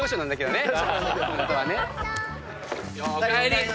おかえり！